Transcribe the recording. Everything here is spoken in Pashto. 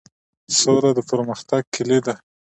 سوله د پرمختګ کیلي ده؟